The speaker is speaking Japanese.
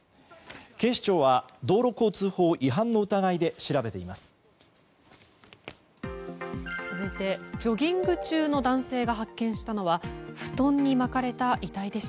警視庁は道路交通法違反の疑いで調べています。